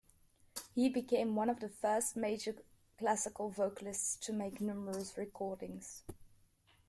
He became one of the first major classical vocalists to make numerous recordings.